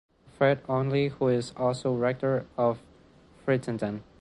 Fred Olney who is also Rector of Frittenden.